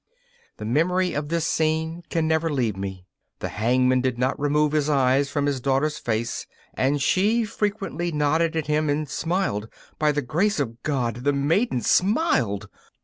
The memory of this scene can never leave me. The hangman did not remove his eyes from his daughter's face, and she frequently nodded at him and smiled. By the grace of God, the maiden smiled!